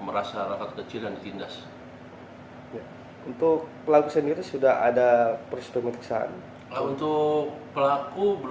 merasa rata kecil dan ditindas untuk pelaku sendiri sudah ada persediaan untuk pelaku belum